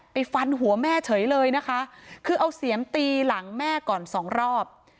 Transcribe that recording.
ฟันหัวแม่เฉยเลยนะคะคือเอาเสียมตีหลังแม่ก่อนสองรอบ